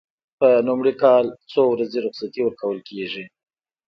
په لومړي کال څو ورځې رخصتي ورکول کیږي؟